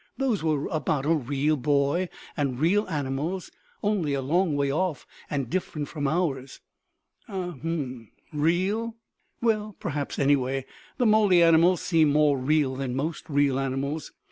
"Those were about a real boy and real animals only a long way off and different from ours." "Ah um, real? Well, perhaps; anyway, the Mowgli animals seem more real than most real animals.